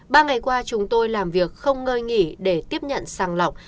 ba ngày qua chúng tôi làm việc không ngơi nghỉ để tiếp nhận sàng lọc